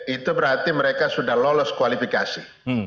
itu berarti mereka sudah lolos kualifikasi